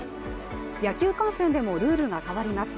野球観戦でもルールが変わります。